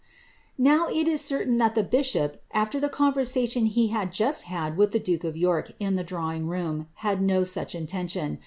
'' Now it is certain that the bishop, after the conversation he had just had with the duke of York in the drawing room, had no such intention.